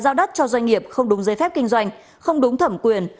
giao đất cho doanh nghiệp không đúng giấy phép kinh doanh không đúng thẩm quyền